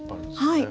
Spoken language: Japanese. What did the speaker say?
はい。